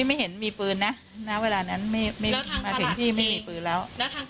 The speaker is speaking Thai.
ไม่เห็นมีปืนนะณเวลานั้นมาถึงที่ไม่มีปืนแล้ว